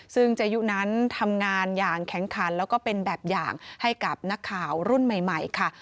ซึ่งเจยุนั้นทำงานอย่างแข็งขันแล้วก็เป็นแบบอย่างให้กับนักข่าวรุ่นใหม่ค่ะ